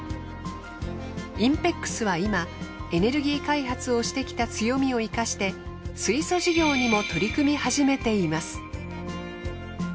ＩＮＰＥＸは今エネルギー開発をしてきた強みを生かして水素事業にも取り組み始めています。